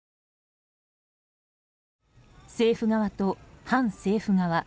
政府側と反政府側。